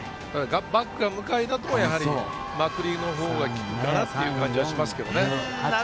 バックが向かいだと、まくりのほうがいいかなっていう感じがしますけどね。